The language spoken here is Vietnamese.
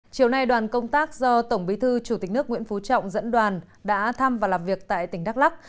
chiều nay đoàn công tác do tổng bí thư chủ tịch nước nguyễn phú trọng dẫn đoàn đã thăm và làm việc tại tỉnh đắk lắc